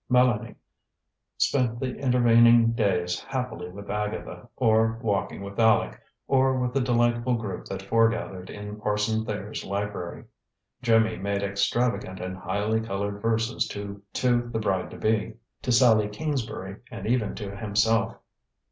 Mélanie spent the intervening days happily with Agatha, or walking with Aleck, or with the delightful group that foregathered in Parson Thayer's library. Jimmy made extravagant and highly colored verses to the bride to be, to Sallie Kingsbury, and even to himself.